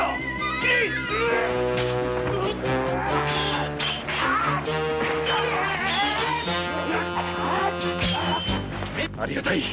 斬れ‼ありがたい！